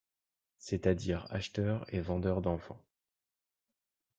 C’est-à-dire acheteur et vendeur d’enfants.